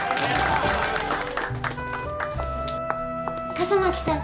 笠巻さん！